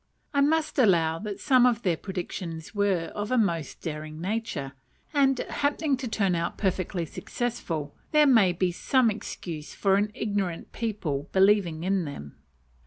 I must allow that some of their predictions were of a most daring nature, and, happening to turn out perfectly successful, there may be some excuse for an ignorant people believing in them.